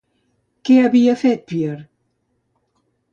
Què havia fet Píer?